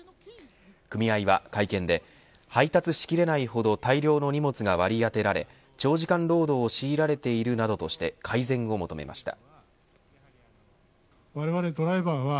組合は会見で、配達しきらないほど大量の荷物が割り当てられ長時間労働を強いられているなどとして改善を求めました。